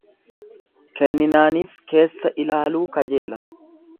Kenninaaniif, keessailaaluu kajeela.